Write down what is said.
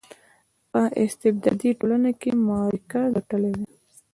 په استبدادي ټولنه کې معرکه ګټلې وای.